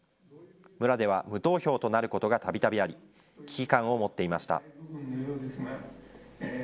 村では無投票となることがたびたびあり、危機感を持っていました。